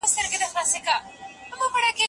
نسلونه به يې اوري.